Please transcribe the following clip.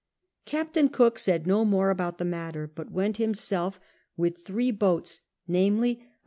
Captain Cook said no more about the matter, but went himself with three i6o CAPTAIN COOK CHAP.